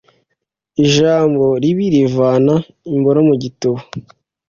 ijambo ribi rivana imboro mu gituba